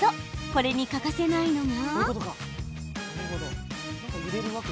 これに欠かせないのが。